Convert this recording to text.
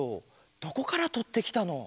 どこからとってきたの？